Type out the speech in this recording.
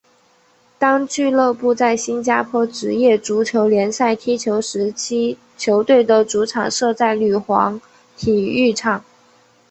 当俱乐部在新加坡职业足球联赛踢球时期球队的主场设在女皇镇体育场。